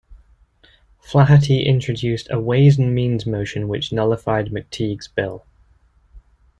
Flaherty introduced a ways and means motion which nullified McTeague's bill.